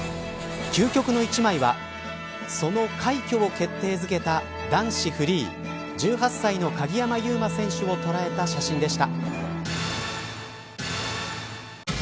究極の１枚はその快挙を決定づけた男子フリー１８歳の鍵山優真選手を捉えた写真でした。